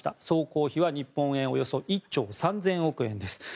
総工費は日本円でおよそ１兆３０００億円です。